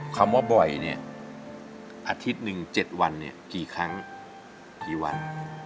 คำว่าบ่อยเนี่ยอาทิตย์หนึ่ง๗วันเนี่ยกี่ครั้งกี่วัน